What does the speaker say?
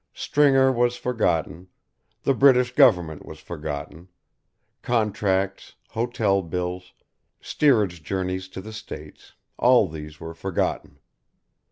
Stringer was forgotten, the British Government was forgotten, contracts, hotel bills, steerage journeys to the States, all these were forgotten.